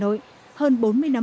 góp phần giáo dục y tế